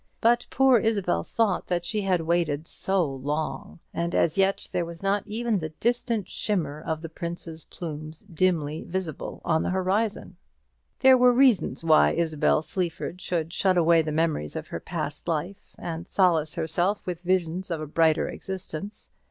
But poor Isabel thought she had waited so long, and as yet there was not even the distant shimmer of the prince's plumes dimly visible on the horizon. There were reasons why Isabel Sleaford should shut away the memory of her past life, and solace herself with visions of a brighter existence.